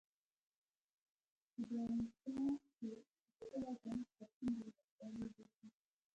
خدايزده چې پخپله جنت به څومره له خوشاليو ډک وي.